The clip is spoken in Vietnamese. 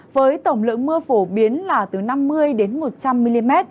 với tổng lượng mưa phổ biến là từ năm mươi đến một trăm linh mm